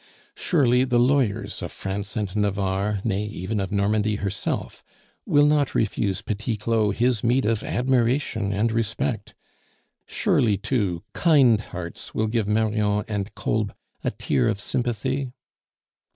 Surely the lawyers of France and Navarre, nay, even of Normandy herself, will not refuse Petit Claud his meed of admiration and respect? Surely, too, kind hearts will give Marion and Kolb a tear of sympathy?